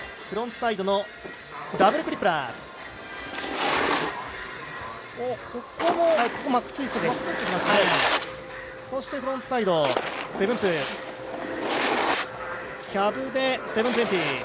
フロントサイドのダブルクリップラー。